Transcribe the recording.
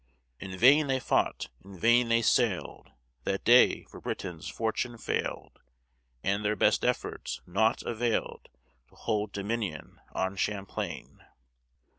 In vain they fought, in vain they sailed, That day; for Britain's fortune failed, And their best efforts naught availed To hold dominion on Champlain.